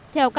chào các bạn